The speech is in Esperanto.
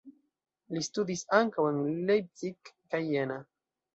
Li studis ankaŭ en Leipzig kaj Jena.